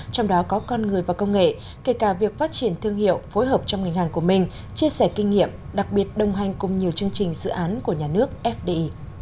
trong đó có con người và công nghệ kể cả việc phát triển thương hiệu phối hợp trong ngành hàng của mình chia sẻ kinh nghiệm đặc biệt đồng hành cùng nhiều chương trình dự án của nhà nước fdi